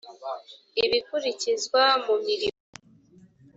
ibikurikizwa mu mirimo